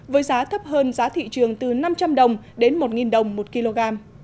với giá thấp hơn giá thị trường từ năm trăm linh đồng đến một đồng một kg